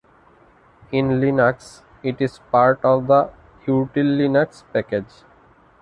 In Linux it is part of the util-linux package.